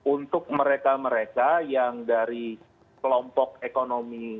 untuk mereka mereka yang dari kelompok ekonomi